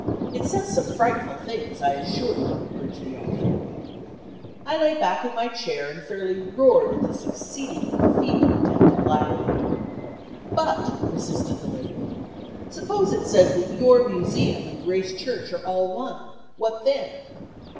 It says some frightful things, I assure you," urged the author. I lay back in my chair and fairly roared at this exceedingly feeble attempt at black mail. "But," persisted the lady, "suppose it says that your Museum and Grace Church are all one, what then?"